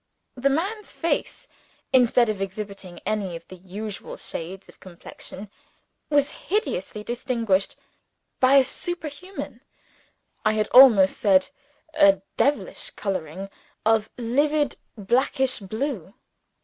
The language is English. The man's face, instead of exhibiting any of the usual shades of complexion, was hideously distinguished by a superhuman I had almost said a devilish colouring of livid blackish _blue!